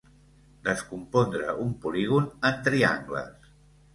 Descompondre un polígon en triangles.